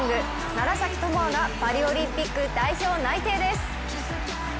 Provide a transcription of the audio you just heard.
楢崎智亜がパリオリンピック代表内定です。